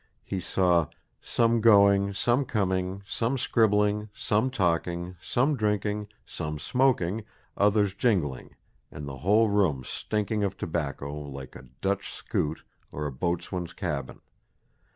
He saw "some going, some coming, some scribbling, some talking, some drinking, some smoking, others jingling; and the whole room stinking of tobacco, like a Dutch scoot, or a boatswain's cabin....